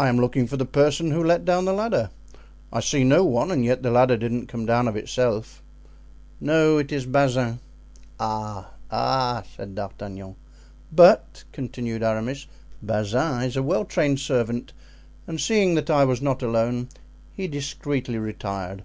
"I am looking for the person who let down the ladder. I see no one and yet the ladder didn't come down of itself." "No, it is Bazin." "Ah! ah!" said D'Artagnan. "But," continued Aramis, "Bazin is a well trained servant, and seeing that I was not alone he discreetly retired.